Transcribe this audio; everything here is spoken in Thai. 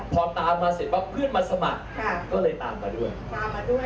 พอตามมาเสร็จเพื่อนแล้วมาสมัครก็เลยตามมาด้วย